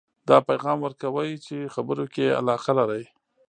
دا پیغام ورکوئ چې خبرو کې یې علاقه لرئ